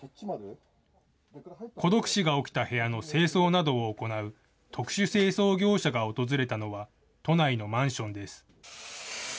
孤独死が起きた部屋の清掃などを行う、特殊清掃業者が訪れたのは、都内のマンションです。